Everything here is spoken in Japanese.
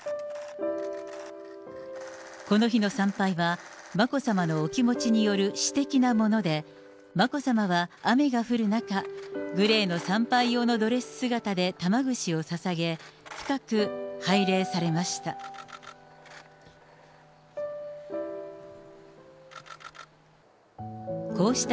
この日の参拝は眞子さまのお気持ちによる私的なもので、眞子さまは雨が降る中、グレーの参拝用のドレス姿で玉ぐしをささげ、深く拝礼されました。